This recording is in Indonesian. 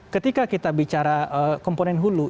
ketika kita bicara komponen hulu